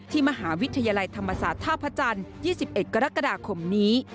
มหาวิทยาลัยธรรมศาสตร์ท่าพระจันทร์๒๑กรกฎาคมนี้